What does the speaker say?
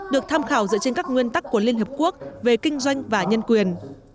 được tham khảo dựa trên các nguyên tắc của liên hợp quốc về kinh doanh và nhân quyền